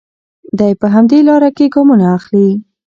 دی په همدې لاره کې ګامونه اخلي.